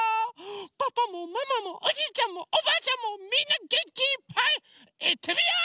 パパもママもおじいちゃんもおばあちゃんもみんなげんきいっぱいいってみよう！